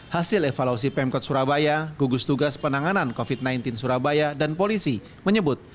hasil evaluasi pemkot surabaya gugus tugas penanganan covid sembilan belas surabaya dan polisi menyebut